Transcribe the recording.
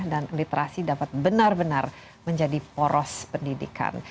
dan literasi dapat benar benar menjadi poros pendidikan